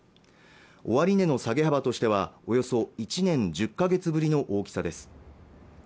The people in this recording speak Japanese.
終値の下げ幅としてはおよそ１年１０か月ぶりの大きさです